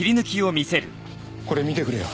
これ見てくれよ。